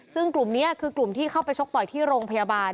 ซึ่งกลุ่มนี้คือกลุ่มที่เข้าไปชกต่อยที่โรงพยาบาล